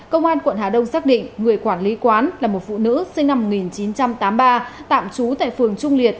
công an quận hà đông xác định người quản lý quán là một phụ nữ sinh năm một nghìn chín trăm tám mươi ba tạm trú tại phường trung liệt